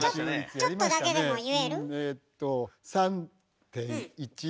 ちょっとだけでも言える？